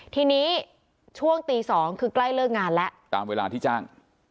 ทีนี้ช่วงตี๒คือใกล้เลิกงานแล้วตามเวลาที่จ้าง